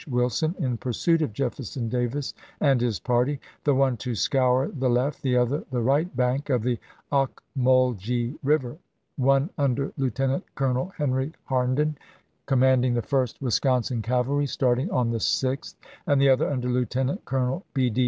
Wilson in pursuit of Jefferson Davis and his party — the one to scour the left, the other the right bank of the Ocmulgee River ; one, under Lieutenant Colonel Henry Harnden, com manding the 1st Wisconsin Cavalry, starting on the 6th, and the other, under Lieutenant Colonel B. D.